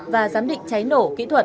và giám định cháy nổ